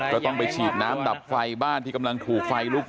ก็ต้องไปฉีดน้ำดับไฟบ้านที่กำลังถูกไฟลุก